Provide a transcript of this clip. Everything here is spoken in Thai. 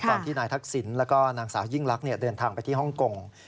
ตอนที่นายทักษิณแล้วก็นางสาวยิ่งลักษณ์เดินทางไปที่ฮ่องกง